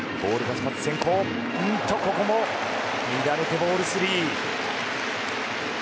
ここも見られて、ボールスリー。